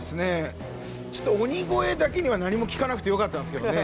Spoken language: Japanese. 鬼越だけには何も聞かなくてよかったんですけどね。